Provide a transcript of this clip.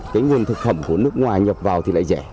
cái nguồn thực phẩm của nước ngoài nhập vào thì lại rẻ